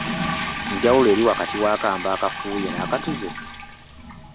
Njawulo eri wakati w’akambe akafuuye n’akatuze?